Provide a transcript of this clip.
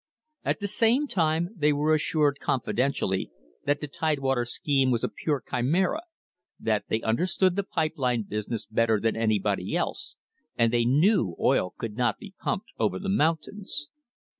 At the same time they were assured confidentially that the Tidewater scheme was a pure chimera, that they under stood the pipe line business better than anybody else and they knew oil could not be pumped over the mountains.